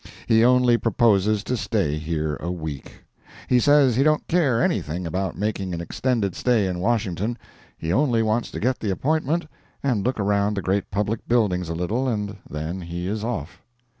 He only proposes to stay here a week. He says he don't care anything about making an extended stay in Washington—he only wants to get the appointment, and look around the great public buildings a little, and then he is off.